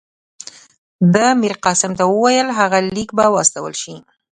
ده میرقاسم ته وویل هغه لیک به واستول شي.